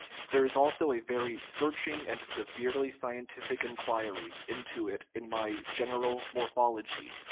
There is also a very searching and severely scientific inquiry into it in my General Morphology (1866).